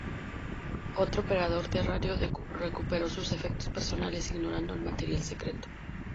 Otro operador de radio recuperó sus efectos personales ignorando el material secreto.